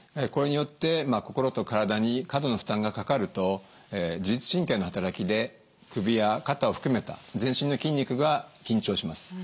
これによって心と体に過度の負担がかかると自律神経の働きで首や肩を含めた全身の筋肉が緊張します。